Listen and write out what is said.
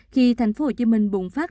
khi tp hcm bùng phát